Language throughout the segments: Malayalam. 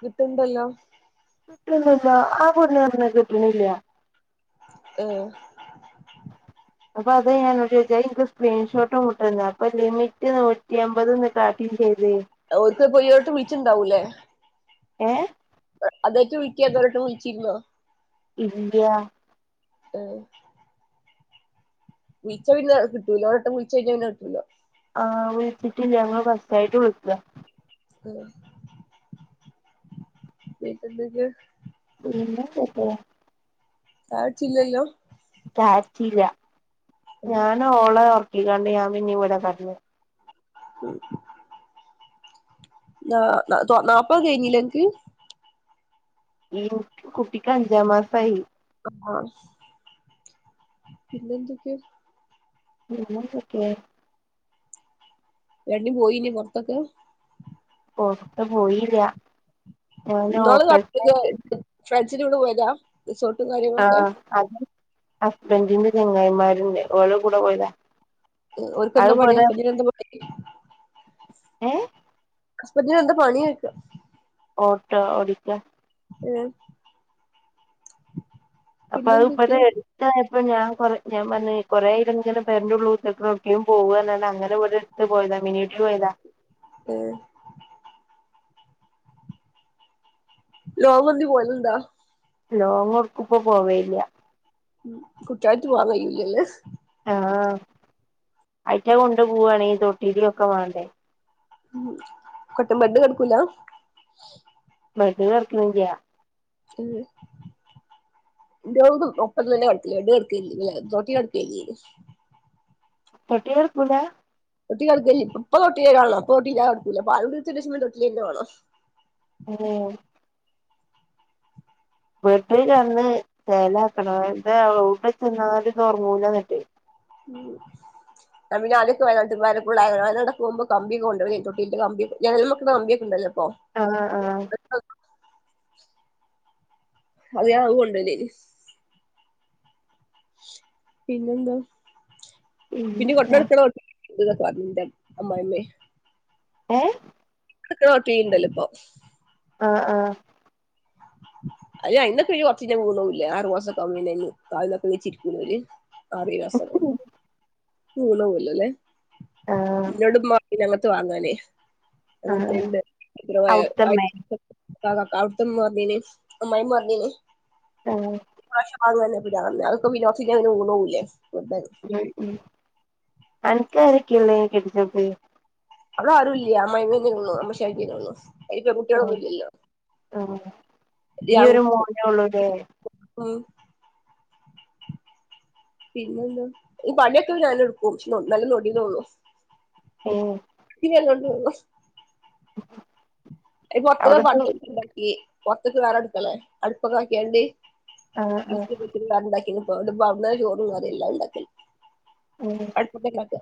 കിട്ടുണ്ടല്ലോ കിട്ടുണ്ടല്ലോ ആ പെണ്ണ് പറഞ്ഞു കിട്ട്ണില്ലന്ന് ഏഹ് അപ്പൊ അന്തേ ഞാൻ അനോട്ട് ചോയിച്ചെ നിനിക്ക് സ്ക്രീൻഷോട്ട് കവിടന്നു അപ്പൊ ലിമിറ്റ് നൂറ്റി അമ്പത്ന്ന് കാട്ടീ ചെയ്ത് ഓര്ക്ക് പോയിയോട്ട് വിച്ചുണ്ടാവൂല്ലേ ഏഹ് അതായിട്ട് വിളിക്കാഅതോരുട്ടംവിളിച്ചിരുന്നോ ഇല്ല ആഹ വിളിച്ച പിന്ന കിട്ടുല്ലോ ഒട്ടംവിളിച്ച കഴിഞ്ഞ പിന്നെ കിട്ടല്ല ആഹ് വിളിച്ചിട്ടില്ല ഞങ്ങള് ഫസ്റ്റ് ആയിട്ട് വിളിക ആഹ പിന്നെ എന്തൊക്കെ പിന്നെ എന്തൊക്കെ ചായ കുട്ടിച്ചില്ലല്ലോ ചായ ച്ചീല്ല ഞൻ ഓള ഉറക്കിക്കാണ്ട് ഞാൻ പിന്നെ ഇവിടെ കടന്നു ന്ന നാപ്പ കഴിഞ്ഞില്ല അണക്ക് ഈ കുട്ടിക്ക് അഞ്ചാം മാസമായി ആഹ് പിന്നെന്തൊക്കെ പിന്നെ എന്തൊക്കെ രണ്ട് പോയില്ലെ പോറത്ത്ക്ക് പോറത്ത് പോയില്ല ഒന് ഇന്നാള് [unintelligible] കണ്ടില്ലേ ഫ്രണ്ട്സിന്റെ കുടെ പോയതാ റിസോർട്ടും ആ കാര്യങ്ങളൊക്കെ അത് ഹസ്ബൻഡിന്റെ ച്ചെങ്ങായിമാരുണ്ട് ഓരെ കൂടെ പോയതാ ഒല്ക്ക് അത് ന്താപണി ഇവിടെ [unintelligible] ഏ ഹസ്ബന്റിന് എന്താ പണി യിക ഓട്ടോ ഓടിക്ക ഏഹ് അപ്പൊ അത് പിന്നെന്തൊക്കെ [unintelligible] [unintelligible] ഇപ്പൊ ഞാൻ കൊ ഞാൻ പറഞ്ഞു കുറെ ആയില്ലെ ങ്ങനെ പേരന്റെ ള്ളൂ കുത്ത്ർക്ണേ എവ്ട്കെങ്കില്ലും പോവാ പറഞ്ഞാണ്ട് അങ്ങനെ ഓര് പോയത മിനി ഊട്ടി പോയത ഏ ലോങ് എന്നേലും പോവല്ണ്ടൊ ലോങ് ഒട്ക്കുപ്പൊ പോവേലില്ല ഉംഹ് കുട്ട്യാളയിട്ട് പോവാൻ കയ്യൂലല്ലൊ ആഹ് അയിറ്റ കൊണ്ട് പോവാനാണെ ഈ തൊട്ടിലി ഒക്കെ മാണ്ടേ. ഉം കട്ട് ബെഡ് കെട്ക്കൂല. ബെഡ് കെട്ക്ക്ണ്ല്ല്യ. ഉം ന്റോളും ഒപ്പ ഒപ്പത്തന്നേ കെട്ക്ക ബെഡി കെട്ക്കേല്ല തോട്ടി കെടക്കേല്ലേയ്നു. തൊട്ടീ കെട്ക്കൂല. തൊട്ടി കെടക്കല്ല്യ ഇപ്പൊ തൊട്ടീലിടണം ഇപ്പൊ തൊട്ടില്ലാതെട്ക്കൂല പാലുടി നിർത്തിന്റേഷം തൊട്ടിലിന്നെ വാണം. ഓഹ്. ബെഡ് കെട്ന്ന് ചേലാക്കണം എല്ലെ യൗടെ ചെന്നാലും ഒർങ്ങൂലന്ന്ട്ട്. ഉം [unintelligible] പോകുമ്പോ കമ്പി കൊണ്ടോവേനി തൊട്ടിന്റെ കമ്പി ഒക്കെ. ജനൽമ വെക്ക്ണ കമ്പിയൊക്ക ഉണ്ടല്ലോ പ്പോ. ആഹ് ആഹ്. ആദ്യം അത് കൊണ്ടേയീല്ലേനി. പിന്നെന്താ? പിന്നെ പിന്നെന്താ കൊണ്ടട്ക്കണം. [unintelligible] അമ്മായിമ്മെ. ഏഹ്. [unintelligible] തോട്ടീ ണ്ടല്ലൊ ഇപ്പൊ. ആഹ് ആഹ്. അയ്ന് അയ്ന്നൊക്കെ കൊറച്ച് കഴിഞ്ഞാ വൂണോവൂലേആറു മാസക്കാവുന്നന്നെ കാലും താത്തി നീച്ചിരിക്കൂലേ ഓൽ. ആറേഴ് മാസാവുമ്പോ വീണോവല്ലൊലേ. ആഹ് ഇന്നോട്മ്മ ർഞ്ഞീനി അങ്ങത്ത് വാങ്ങാനേ. ആഹ് അങ്ങൻതന്നെ. അവ്ട്ത്തമ്മേ [unintelligible] കാ കാ കാ അവിട്ത്തെ മ്മ ർഞ്ഞീനി അമ്മായിമ്മ പർഞ്ഞീനി ആഹ് ഈ മാസം വാങ്ങാന്ന്. [unintelligible] വെർതേണ്. ഉം അൻക്കാരൊക്കെള്ളെ കെട്ടിച്ചോട്ത്ത്. അവിടെ ആരും ഇല്ല്യ അമ്മയിമ്മേനൊള്ളു അമ്മശാങ്കേ നൊള്ളു. അയ്ന് പെൺകുട്ട്യാളൊന്നും ഇല്ലല്ലോ. ആഹ് [inaudible] ഈ ഒരു മോനേ ഉള്ളൂല്ലേ ഉം പിന്നെന്താ പണിയൊക്കെ ഞാനെന്നെ എടുക്കും നല്ലം നൊടിന്നൊള്ളു. ഉം [unintelligible] [unintelligible] ഒരട്ക്കള അവിടക്ക് പൊർത്ത്ക്ക്ണ്ടാക്കി പൊർത്ത്ക്ക് വേറെ അടുക്കളേ അടുപ്പൊക്കെ ആക്കിയണ്ട്. ആഹ് ആഹ് [unintelligible] വേറണ്ടാക്കീക്ക്ണ് പ്പോ ന്ന്ട്ട്പ്പോ അവിട്ന്നന്നെ ചോറുംക്കറിം എല്ലാംണ്ടാക്കല്. ഉം പിന്നല്ലാതെ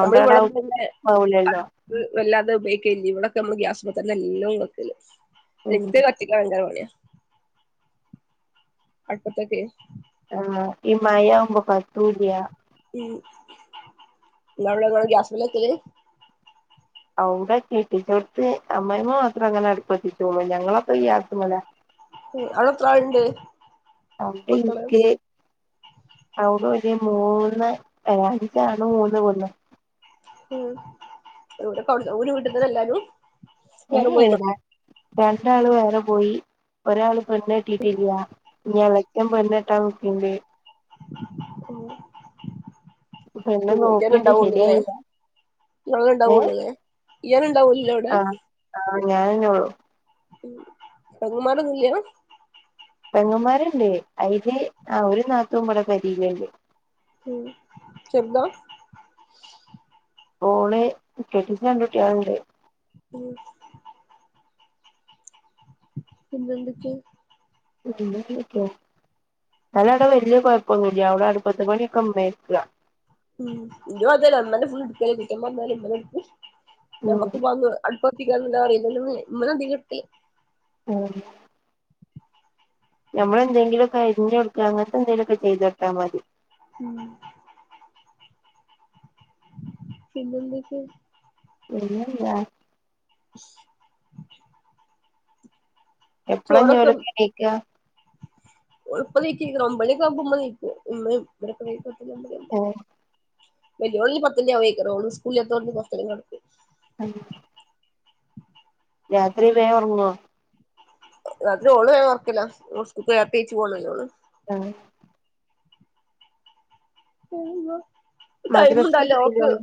നമ്മള് [unintelligible] ആ. ഔലല്ലോ വല്ലാതെ ഉപയോഗിക്കല്ല്യ ഇവിടൊക്കെ നമ്മ ഗ്യാസ് മത്തന്നെ ല്ലുംവെക്കൽ ഉം എൻത് ത്തിക്കാൻ ഭയങ്കര പണിയാ. അടുപ്പത്തൊക്കെ. ആഹ് ഈ മയാവുമ്പോ കത്തൂല്ല്യ. ഉംഹ് ഇങ്ങൾ ഇങ്ങളൊടെ ഗ്യാസ്മലാ വെക്കല്. ഔടെ കെട്ടിച്ചോട്ത്ത് അമ്മായമ്മ മാത്രം അങ്ങനെ അടുപ്പത്തിച്ചൊള്ളു ഞങ്ങളൊക്കെ ഗ്യാസ്മല. ഏഹ് അവിടെ എത്രാൾണ്ട്? ഔടെ ഇൻക്ക്. അവിടെ ഒരു മൂന്ന് അല്ല അഞ്ച് ആണും മൂന്ന് പെണ്ണും. ഉം ഓലക്ക ഔ ഒരു വീട്ട്ത്തന്നെ അല്ലാരും. ഏ ഏയ് രണ്ടാൾ വേറെ പോയി ഒരാള് പെണ്ണെട്ടീട്ടില്ല. ഞ്ഞി എളച്ചൻ പെണ്ണെട്ടാൻ നിക്ക്ണ്ട്. പെണ്ണ് ഓ ഉം ജെനെ നോക്ക്ണ്ട് ണ്ടാവൊള്ളുലെ ശരിയായില്ല ഇങ്ങളെ ണ്ടാവോള്ളു ലെ യേനെ ണ്ടാവൊള്ളു ആഹ ആ ഞാനേന്നൊള്ളു ഉ അങ്ങമാറൊന്നില്ലോ പെങ്ങന്മാര്ണ്ട് അയ്ല് ആ ഒരു നാത്തൂൻവടെ പെരീല്ണ്ട് ഉം ചെർതാ ഓള് കെട്ടിച്ച രണ്ട് കുട്ടികൾ ഒണ്ട് ഉം പിന്നെന്തൊക്കെ ഓല അവ്ടെ വല്യ കുഴപ്പൊന്നുംല്ല അവിടെ അടു പത്ത് മണിയൊക്കെ ഉമ്മേട്ക്ക ഉ ഇനി അാല അമ്മനെ ഫു എടുക്ക കിട്ട വന്നാലും ഇങ്ങനെ എടുക്ക ഉം നമ്മക്ക് അടുപ്പത്തിക്കാല്ല അല്ലന്ന് ഇമ്മനതി കിട്ടി ഉം നമ്മളെന്തെങ്കിലുംക്കെ അരിഞ്ഞഞ് കൊടുക്കുക അങ്ങനത്തെ എന്തെങ്കലുംൊക്കെ ചെയ്ത് കൊടുത്താൽ മതി ഉം പിന്നെന്തൊക്കെ പിന്നെന്താ [unintelligible] എപ്പളാ ഞ്ഞി ചോറൊക്കെ ഓലൊക്കെ എണീക്ക ഓള് പ്പ നീക്കെയ് ക്കരം ഒമ്പണിക്കെ ആവുമ്പ ഉമ്മ നീക്കും ഉമ്മയും ഇവരൊക്കെ നീക്കും അപ്പ [unintelligible] ആഹ്‌ വലിയോന് ഞ്ഞി പത്തെണി ആവൂയ്‌ക്കാരം ഒന് സ്‌കൂളില്ലാത്തോണ്ട് കോർച്ചേരം കെടക്കും ആഹ് രാത്രി വേ ഒർങ്ങോ? അതിന് ഓള് വേം ഒർക്കല ഓള് സ്കൂൾക്ക് ഏർത്തീച് പോണെല്ലേ ഓള് ആഹ് ടൈമൊ മദ്രസ ടൈമുണ്ടല്ലോ എത്രയിലാ ഓക്ക്‌ ഓള്?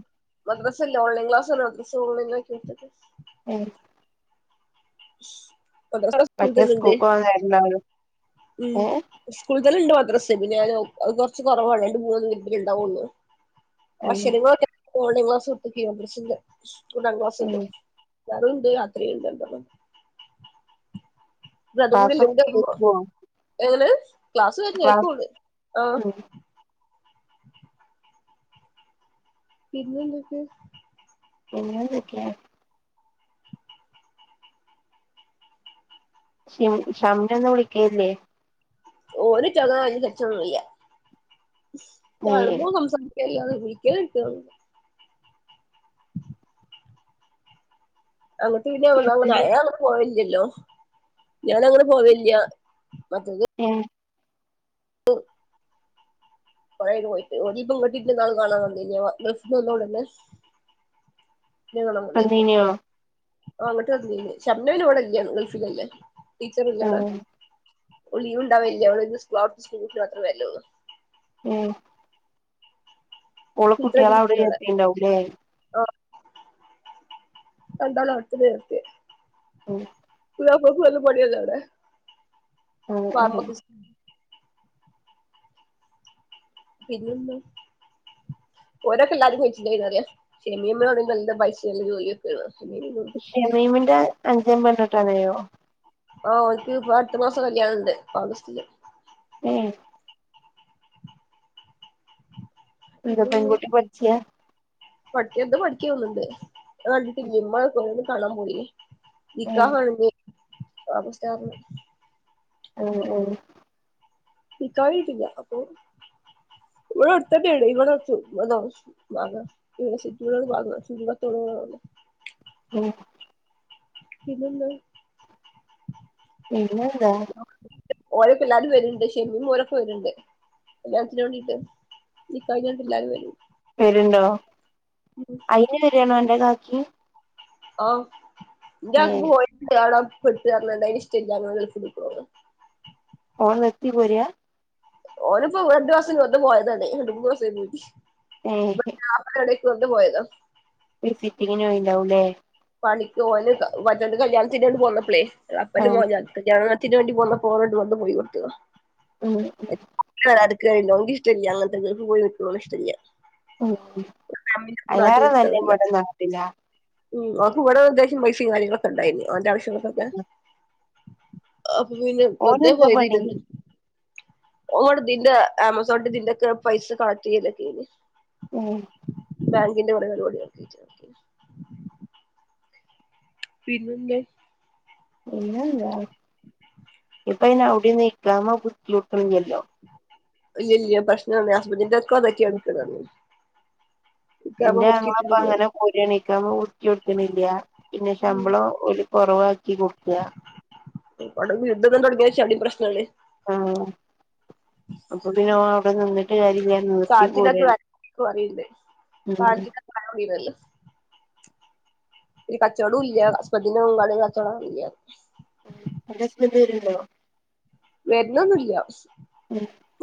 മദ്രസല്ല ഓൺലൈൻ ക്ലാസ്സണ് മദ്രസസ് ഓൺലൈിലക്കി വിട്ടത് ഉം [unintelligible] മറ്റേ സ്കൂൾക്ക് പോവാൻ നേരണ്ടാവലും ഉ സ്കൂളി തന്ന ഉണ്ട് മദ്രസ പിന്നെത് കൊറച്ച് കുറവാണ് രണ്ട് മൂന്നന്ന് മിനിറ്റ് ഉണ്ടാവള്ളു ആഹ് അക്ഷരങ്ങളൊക്കെ ഓൺ ലൈൻ ക്ലാസ് കൊട്ത്തക്കേയ് മദ്രസിന്ന് ഒന്നാം ക്ലാസ്സിന്ന് ഏഹ് പകലുണ്ട് രാത്രിണ്ട് രണ്ടെട്ടം ത് രണ്ടും കൂടി ക്ലാസ്സൊക്കെ ലുങ്കിക്കുമ്പോ കേട്ട് പോവോ ഏങ്ങെനെ ക്ലാസ് കഴിഞ്ഞ ക്ലാസ് ആക്കൂള് ആ ഉം പിന്നെ എന്തൊക്കെ പിന്നെന്തൊക്കെ ഷിം ഷംനന്നും വിളിക്കലില്ലേ? ഓന് ചുമ [unintelligible] ഏ കാണുമ്പോ സംസാ [unintelligible] [inaudible] [unintelligible] പോ വില്ലല്ലോ ഞാനങ്ങനെ പോവില്ല മത് ഏ കൊറേ അയ്ക്ക്‌ണ് പോയിട്ട് [unintelligible] ഗൾഫിന്ന് വന്ന ഓളന്നെ ന്നെ കാണാൻ വന്നീര്ന്നു വന്നീനോ അങ്ങട്ട് വന്നീന് ഷംനവിനോവിടെല്ലാണ് ഗൾഫിലല്ലേ ആ ടീച്ചറല്ലോടെ ഒള് ലീവ് ണ്ടാവലില്യ [unintelligible] മാത്രേവര്ലൊള്ളൂ ഏ ഓളെ ഇത്ര കുട്ടികളെ അവിടെ [unintelligible] എത്തിണ്ടാവൂലേ ആ രണ്ടാളെ അവ്ട്ത്തന്നെ നിർത്തിയെ ഉം പുതിയാപ്പൾക്ക് [unintelligible] പണിയല്ലേ അവ്ടെ ഒ ഓ പിന്നെന്ത് ഓരോക്കെ എല്ലാരും കഴിച്ചിലായിന്നറിയ ഷെമിമാണെങ്കില് നല്ല പൈഷ നല്ല ജോലിക്കെണ് ഷെമീമിന്റെ അഞ്ചൻ പെണ്ണട്ടാനായോ ആ ഓൽക്ക് അട്ത്ത മാസം കല്യാണണ്ട് ഓഗസ്റ്റില് ഉം എന്താ പെൺകുട്ടി പഠിച്ചയാ ഉ [unintelligible] ണ്ടിട്ടില്ല ഇമ്മാ [unintelligible] കാണാൻ പോയിനി ഏ നിക്കാഹാണങ്കി [unintelligible] ഉം ഉം നിക്കാഹ് ചെയ്‌തില്ല അപ്പൊ ഇവട അട്ത്തന്നെണ് [unintelligible] ബാങ്ങ [unintelligible] ഉഓ പിന്നെന്താ പിന്നെന്താ ഓരക്കെ എല്ലാരും വര്ണ്ട് ഷെമീമും ഓരക്കെ വര്ണ്ട് കല്യാൺത്തിന് വേണ്ടീട്ട് നിക്കാഹ് കഴിഞാണ്ട് എല്ലാരും വര് വര്ണ്ടോ അയിന് വരാണോ അന്റെ കാക്കിം. ആഹ് ഇന്റെ ഏ കാക്ക പോയി ട്ട് [unintelligible] അയിന് ഇഷ്ടല്ല [unintelligible] ഓൻ നിർത്തി പോരാ ഓന് ഇപ്പം രണ്ട് മാസം നിന്ന് പോയതല്ലേ രണ്ട് മൂന്ന് മാസായി ഏ ഹെ ആ എടയ്ക്ക് വന്ന് പോയത വിസിറ്റിങ്ങിന് പോയിണ്ടാവു ലെ പണിക്ക് ഓന് മറ്റോന്റെ കല്യാൺത്തിന്ണ്ട് പോന്നപ്പളേ ആ അപ്പനും മോ കല്യാണത്തിന് വേണ്ടി പോന്നപ്പോ [unintelligible] വന്ന് പോയി കൊട്ക്ക ഉം ആ അട്ക്കല്ല ഓൻക്ക് ഇഷ്ടല്ല അങ്ങൻത്തത് [unintelligible] ഇഷ്ടല്ല ഉം നാട്ട് അഴിലാറെ നല്ല നിക്ക്ണതല്ല ഇവടെ നാട്ടില ഉം ഓൻക്ക് ഇവടെ അത്യാവശ്യം പൈസിം കാര്യങ്ങളൊക്കെ ഇണ്ടായിനി ഓന്റെ ആവശ്യങ്ങൾക്കൊക്കെ അപ്പൊ പിന്നെ വെർതെ ഓനെന്താ പോയതേനി പണി ഓം ഇവടെ ഇതിന്റെ അമസോൺന്റെ ദിന്റെക്കെ പൈസ [unintelligible] ഉം ബാങ്കിന്റെ കൊറെ പരിപാടിയ [unintelligible] [inaudible] പിന്നന്തേ പിന്നെന്താ ഇപ്പ അയിന് അവ്‌ടിം ഇകാമ പുതുക്കിയവ്ട്ക്ക്‌ണില്ലല്ലോ ഇല്ല ഇല്ല പ്രശ്നം ഹസ്ബൻഡ്ന്റെ ഒക്കെ [unintelligible] ഇന്റെ മോളപ്പ അങ്ങനെ പോയി ട്ട് ഇകാമ പുതുക്കി കൊട്ക്ക്‌ണില്ല്യ പിന്നെ ശമ്പളം ഓല് കൊറവാക്കി കൊട്ക്ക [unintelligible] യുദ്ധം [unintelligible] ആഹ് അപ്പൊ പിന്നെ ഓൻ അവ്ടെ നിന്നിട്ട് കാര്യല്ല്യ നിർത്തി പോരാണ് ക്വറീണ്ട് ഉം [unintelligible] കച്ചോടും ഇല്ല ഹസ്ബന്റിന് [unintelligible] കച്ചോടം ഇല്ല ഉം അന്റെ ഹസ്ബന്റ് വെർണ്ടോ വെർനൊന്നുല്ല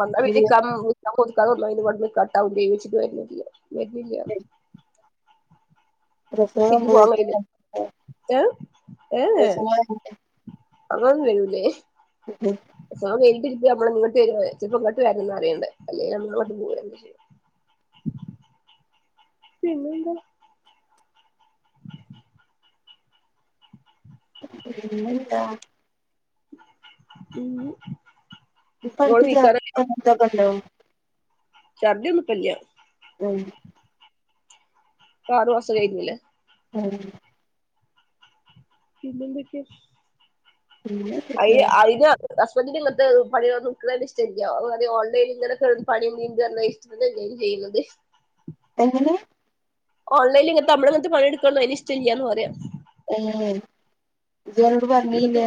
വന്നാ പിന്നെ ഇക്കാമ പു ഇക്കാമ പുത്ക്കാതെ വന്നാ പിന്നെ ഇവട്ന്ന് കട്ടാവും ചെയ്യച്ചിട്ട് വെർന്നില്ല വെർന്നില്ലാന്ന് പ്രസവം [unintelligible] പോവാൻ പോയിട്ട് കയ്യൂല ഏ ഏഏ പ്രസവം അങ്ങ [unintelligible] വെരൂല്ലേ [inaudible] സ വൽത് ഇപ്പ നമ്മടെ ഇങ്ങോട്ട് വെരോ ചെൽപ്പോ ഇങ്ങട്ട് വെർണന്ന് പറിണ്ട്. അല്ലേലും [unintelligible] പിന്നെന്താ പിന്നെന്താ പിന്നെ ഇപ്പൻക്ക് ഛർദിയോ അങ്ങൻത്തൊക്കെണ്ടോ? ചർദ്ദിഒന്നും ഇപ്പല്ലിയ ആഹ് ആറു മാസൊക്കെ കയിഞ്ഞിലേ ഉം പിന്നെന്തെക്കെ പിന്നെ അയ്ൻ അയ്നോ ഹസ്ബന്റിന് ഇങ്ങൻത്തെ പണിയൊ ന്നും ഇടക്ക്ണെന്നെ ഇഷ്ടല്ല. അതറിം ഓൺലൈനി ഇങ്ങനൊക്കെ പണി [unintelligible] അതല്ലേ നീ ചെയ്യ്ണത് എങ്ങനേ ഓൺലൈൽ ഇങ്ങൻത്തെ നമ്മളിങ്ങൻത്തെ പണിട്ക്ക്ണെതൊന്നും അയ്നിഷ്ടല്ലാന്ന് പറിയാ ഏ ഇജോനോട് പർനീല്ല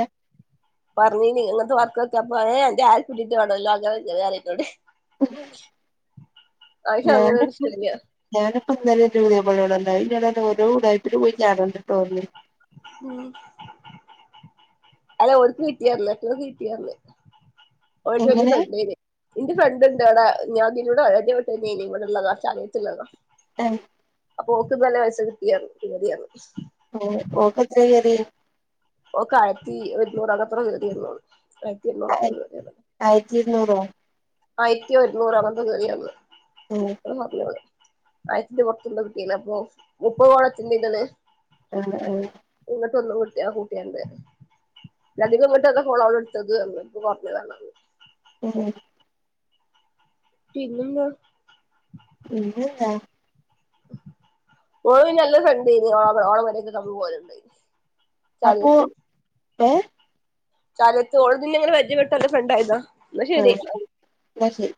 പർഞ്ഞീനി ഇങ്ങൻത്തെ വർകൊക്കെ അപ്പൊ ഏ അന്റെ [unintelligible] വേണല്ലോ [unintelligible] അയ്ക്ക അങ്ങനെന്നും ഇഷ്ടല്ല ഞാനിപ്പന്നലന്റ പുതിയാപ്പൾ നോടർഞ്ഞു. [unintelligible] ഓരോ ഉടായ്പില് പോയി ചാടണ്ടട്ടോപർഞ്ഞ് ഉം അല്ല ഓൽക്ക് കിട്ടിയർന്ന് [unintelligible] കിട്ടിയർന്ന് ഓൽത് വലിയ എങ്ങനെ സംഖ്യ ഏനി എന്റെ ഫ്രണ്ട്ണ്ട് അവ്ടെ ഞാ ഇതിലൂടെ പരിജയപ്പെട്ടതനേനി ഇവിടെള്ളതാ ചാലിയത്തുള്ളതാ ഏഹ് അപ്പൊ ഓക്ക് ഇന്നലെ പൈസ കിട്ടിയർഞ്ഞു കേറി പർഞ്ഞു ഉം ഓക്കെത്രെ കേറിയേ ഓക്കെ ആയിരത്തി ഒരുന്നൂറ് അവ്ടോ എത്രോ കേറി പർന്നൂ ഓള് ആയിരത്തി എണ്ണൂറ് എത്രാ കേറി പർഞ്ഞു. ആയിരത്തി ഇരുനൂറോ? ആയിരത്തി ഒരുന്നൂറോ അങ്ങനെന്തോ കേറിയർന്ന് ഉം എന്ന് പർഞ്ഞോള് ആയിർത്തിന്റെ പൊർത്തെന്തോ കിട്ടീണ് അപ്പൊ മുപ്പത് [unintelligible] ആഹ് ആഹ് ഇങ്ങോട്ട ഒന്ന് കിട്ടയ [unintelligible] അധികം ഇങ്ങട്ട് വെർന ഫോണാട്ത്തത് പർഞ്ഞ് [unintelligible] ഏ പിന്നെന്താ പിന്നെന്താ ഓൾ നല്ല ഫ്രണ്ടേനി ഓ ഓളെ പെരേകൊക്കെ ഞമ്മള് പോല്ണ്ടേനി അപ്പോ ഏ [unintelligible] ഓള്ഇന്നങ്ങനെ പരിജയപ്പെട്ട് ഫ്രണ്ടായതാ ആഹ് ഇന്നാ ശെരി